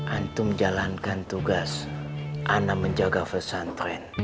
antum jalankan tugas ana menjaga pesantren